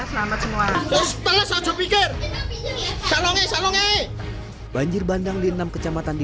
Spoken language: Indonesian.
selamat semua terus pikir kalau nge salonge banjir bandang di enam kecamatan di